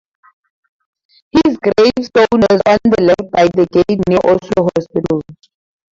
His gravestone is on the left by the gate near Oslo hospital.